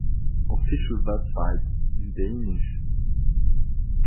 Official website (in Danish)